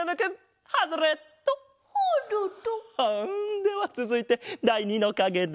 ではつづいてだい２のかげだ。